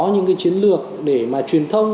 những cái chiến lược để mà truyền thông